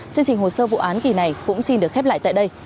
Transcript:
chương trình hồ sơ vụ án kỳ này cũng xin được khép lại tại đây